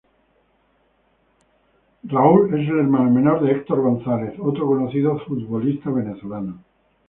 Raúl es el hermano menor de Hector González otro conocido futbolista venezolano.